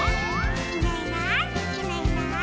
「いないいないいないいない」